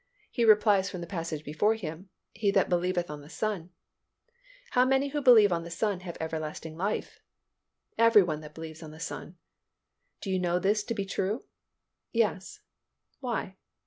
He replies from the passage before him, "He that believeth on the Son." "How many who believe on the Son have everlasting life?" "Every one that believes on the Son." "Do you know this to be true?" "Yes." "Why?"